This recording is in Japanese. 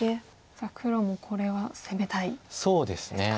さあ黒もこれは攻めたいですか。